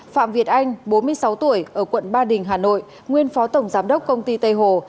phạm việt anh bốn mươi sáu tuổi ở quận ba đình hà nội nguyên phó tổng giám đốc công ty tây hồ